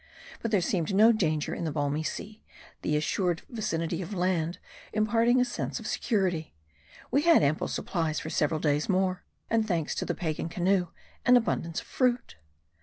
But there seemed no danger in the balmy sea ; the assured vi 174 MAR DI. cinity of land imparting a sense of security. We had ample supplies for several days more, and thanks to the Pagan canoe, an abundance of fruit.